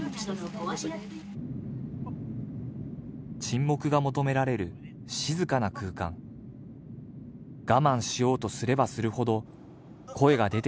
申し訳ない沈黙が求められる静かな空間我慢しようとすればするほどあっあっあっ